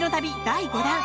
第５弾。